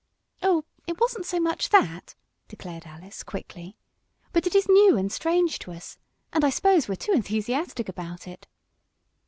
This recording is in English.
"Oh, it wasn't so much that!" declared Alice, quickly. "But it is new and strange to us, and I suppose we're too enthusiastic about it."